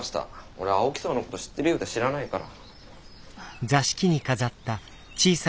俺青木荘のこと知ってるようで知らないから。